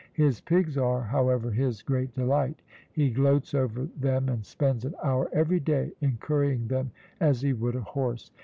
His pigs are, however, his great delight. He gloats over them, and spends an hour every day in currying them as he would a horse.